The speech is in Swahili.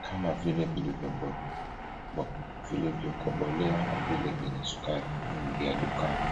kama vile vilivyokobolewa na vile vyenye sukari nyingi ya dukani